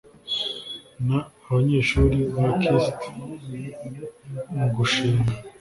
N abanyeshuri ba kist mu gushinga